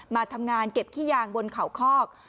มาทำงานเก็บขี้ยางบนเขาคอก